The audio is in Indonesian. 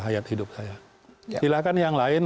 hayat hidup saya silahkan yang lain